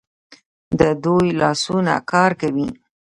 د دوی لاسونه کار کوي.